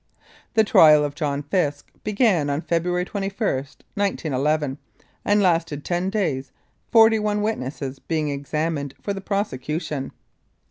The trial of John Fisk began on February 21, 1911, and lasted ten days, forty one witnesses being examined for the prosecution.